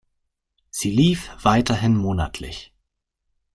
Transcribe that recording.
Sie lief weiterhin monatlich.